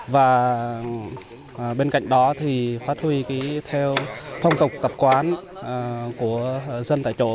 và bên cạnh đó thì phát huy theo phong tục tập quán của dân tại chỗ